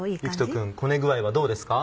志人君こね具合はどうですか？